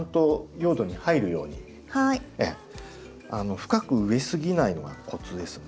深く植えすぎないのがコツですね。